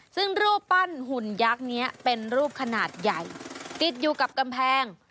ซึ่งรูปปั้นหุ่นยักษ์นี้เป็นรูปขนาดใหญ่ติดอยู่กับกำแพง